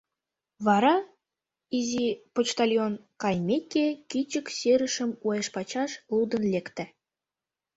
Вара, изи «почтальон» каймеке, кӱчык серышым уэш-пачаш лудын лекте.